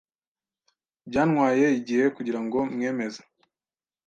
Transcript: Byantwaye igihe kugira ngo mwemeze.